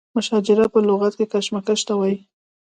مشاجره په لغت کې کشمکش ته وایي.